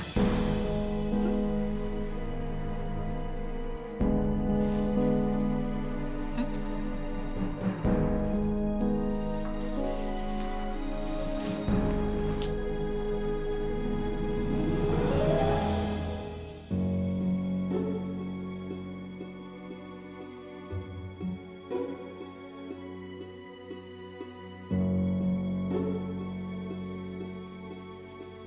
aku akan pergi